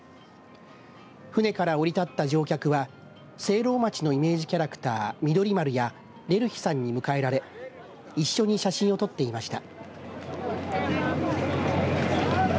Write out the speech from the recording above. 船から降り立った乗客は聖籠町のイメージキャラクター緑丸やレルヒさんに迎えられ一緒に写真を撮っていました。